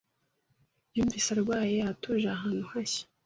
Yumvise arwaye atuje ahantu hashya.